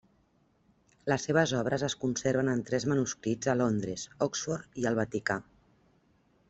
Les seves obres es conserven en tres manuscrits a Londres, Oxford i el Vaticà.